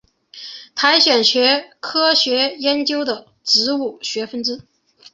苔藓学科学研究的植物学分支。